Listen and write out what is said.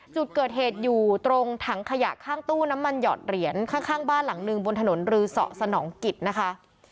จุดเกิดเหตุอยู่ตรงถังขยะข้างตู้น้ำมันหอดเหรียญข้างบ้านหลังหนึ่งบนถนนรือเสาะสนองกิจนะคะ